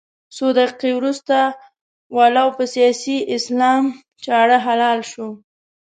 څو دقيقې وروسته ولو په سیاسي اسلام چاړه حلال شو.